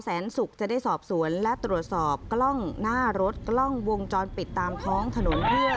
สุขจะได้สอบสวนและตรวจสอบกล้องหน้ารถกล้องวงจรปิดตามท้องถนนเพื่อ